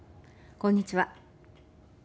こんにちは。